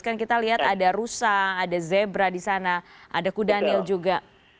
kan kita lihat ada rusa ada zebra di sana ada kudanil juga